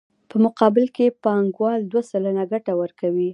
په مقابل کې یې بانکوال دوه سلنه ګټه ورکوي